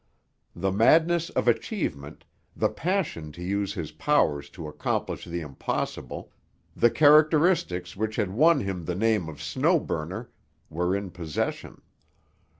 The madness of achievement, the passion to use his powers to accomplish the impossible, the characteristics which had won him the name of Snow Burner, were in possession.